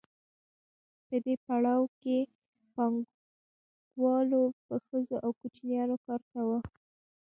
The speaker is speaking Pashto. په دې پړاو کې پانګوالو په ښځو او کوچنیانو کار کاوه